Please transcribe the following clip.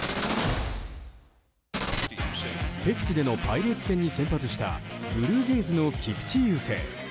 敵地でのパイレーツ戦に先発したブルージェイズの菊池雄星。